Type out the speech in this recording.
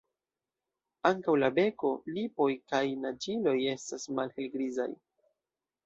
Ankaŭ la beko, lipoj kaj naĝiloj estas malhelgrizaj.